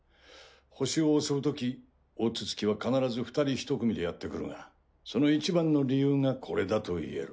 星を襲うとき大筒木は必ず２人１組でやってくるがそのいちばんの理由がこれだと言える。